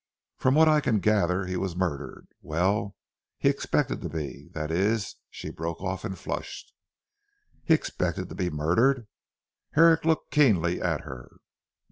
From what I can gather he was murdered. Well, he expected to be that is " she broke off and flushed. "He expected to be murdered!" Herrick looked keenly at her.